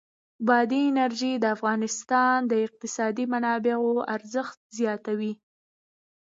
بادي انرژي د افغانستان د اقتصادي منابعو ارزښت زیاتوي.